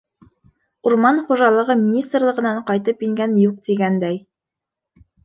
Урман хужалығы министрлығынан ҡайтып ингән юҡ тигәндәй.